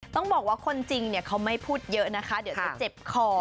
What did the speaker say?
ต้องบอกว่าคนจริงเขาไม่พูดเยอะนะคะเดี๋ยวจะเจ็บคอ